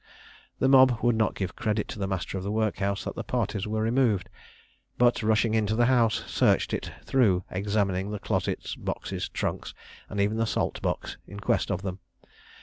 The mob would not give credit to the master of the workhouse that the parties were removed, but, rushing into the house, searched it through, examining the closets, boxes, trunks, and even the salt box, in quest of them.